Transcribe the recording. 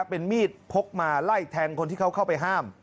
เป็นมีดพกมาไล่แทงคนที่เขาเข้าไปห้าม